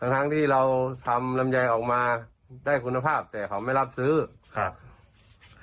ทั้งที่เราทำลำไยออกมาได้คุณภาพแต่เขาไม่รับซื้อครับ